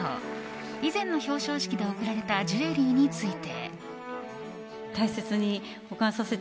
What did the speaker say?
以前の表彰式で贈られたジュエリーについて。